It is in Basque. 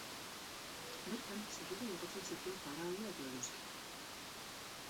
Bertan, zerura igotzen zituen faraoia eta Eguzkia.